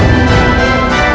masukin lu cepat